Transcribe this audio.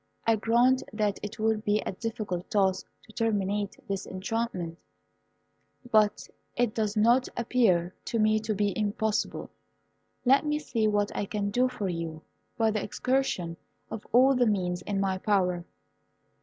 I grant that it will be a difficult task to terminate this enchantment; but it does not appear to me to be impossible. Let me see what I can do for you by the exertion of all the means in my power."